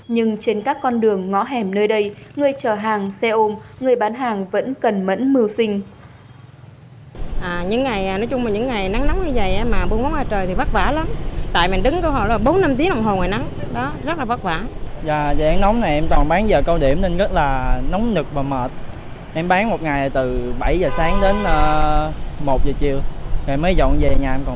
nhưng trên các con đường ngõ hẻm nơi đây người chở hàng xe ôm người bán hàng vẫn cần mẫn mưu sinh